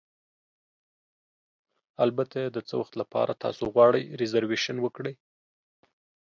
البته، د څه وخت لپاره تاسو غواړئ ریزرویشن وکړئ؟